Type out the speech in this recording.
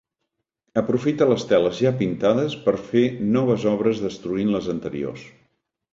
Aprofita les teles ja pintades per fer noves obres destruint les anteriors.